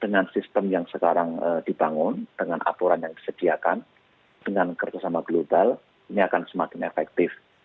dengan sistem yang sekarang dibangun dengan aturan yang disediakan dengan kerjasama global ini akan semakin efektif